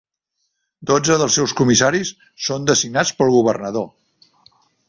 Dotze dels seus comissaris són designats pel governador.